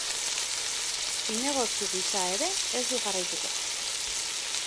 Zinegotzi gisa ere ez du jarraituko.